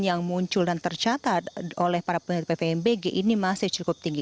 yang muncul dan tercatat oleh para peneliti pvmbg ini masih cukup tinggi